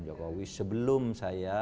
jokowi sebelum saya